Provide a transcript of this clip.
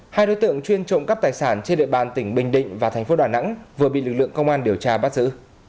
hai đối tượng chuyên trộm cắp tài sản trên địa bàn tỉnh bình định và thành phố đà nẵng vừa bị lực lượng công an điều tra bắt giữ